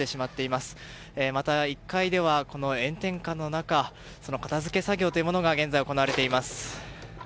また１階では、この炎天下の中片付け作業が現在行われています。